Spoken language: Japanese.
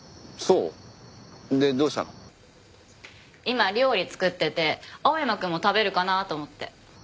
今料理作ってて青山くんも食べるかなと思って。